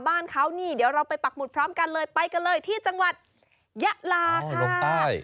บ้านเขานี่เดี๋ยวเราไปปักหมุดพร้อมกันเลยไปกันเลยที่จังหวัดยะลาค่ะ